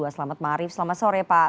selamat malam selamat sore pak